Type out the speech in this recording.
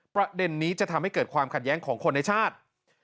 ประเด็นนี้จะทำให้เกิดความขัดแย้งของคนในชาติ